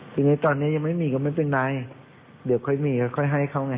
ทีนี้ตอนนี้ยังไม่มีก็ไม่เป็นไรเดี๋ยวค่อยมีก็ค่อยให้เขาไง